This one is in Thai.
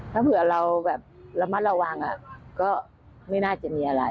ถ้าเผื่อเราแบบระมัดระวังก็ไม่น่าจะมีอะไร